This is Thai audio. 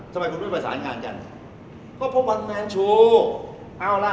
สมัยคุณไม่ผสานงานจันนียะก็เพราะวัคม่านชูเอาล่ะ